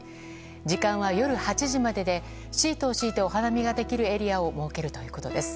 時間は夜８時まででシートを敷いてお花見ができるエリアを設けるということです。